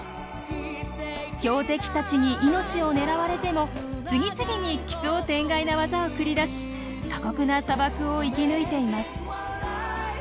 強敵たちに命を狙われても次々に奇想天外なワザを繰り出し過酷な砂漠を生き抜いています。